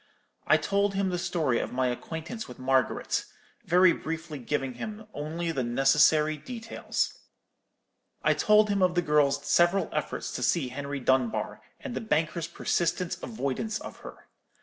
I told him the story of my acquaintance with Margaret, very briefly giving him only the necessary details. I told him of the girl's several efforts to see Henry Dunbar, and the banker's persistent avoidance of her.